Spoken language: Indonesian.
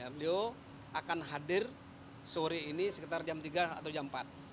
beliau akan hadir sore ini sekitar jam tiga atau jam empat